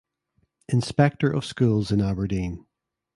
Inspector of Schools in Aberdeen.